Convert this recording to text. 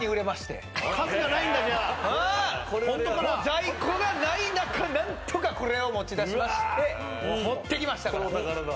在庫がない中何とかこれを持ち出しまして持ってきましたから。